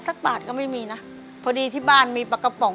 สักบาทก็ไม่มีนะพอดีที่บ้านมีปลากระป๋อง